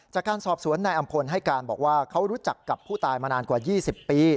จากการสอบสวนนายอำพลให้การบอกว่าเขารู้จักกับผู้ตายมานานกว่า๒๐ปี